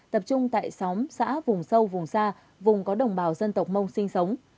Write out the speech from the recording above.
tập trung tại xóm xã vùng sâu vùng xa vùng có đồng bào dân tộc mông sinh sống